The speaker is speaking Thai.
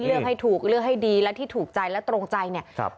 เลือกให้ถูกเลือกให้ดีและที่ถูกใจและตรงใจเนี่ยครับ